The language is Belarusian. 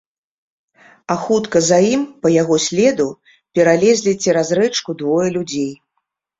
А хутка за ім, па яго следу, пералезлі цераз рэчку двое людзей.